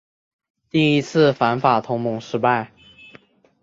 第一次反法同盟失败。